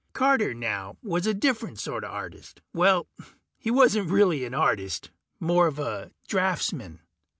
Carter, now, was a different sorta artist. Well, he wasn't really an artist more of a draftsman.